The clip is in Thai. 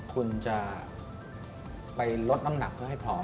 คุณจะไปลดน้ำหนักเพื่อให้พร้อม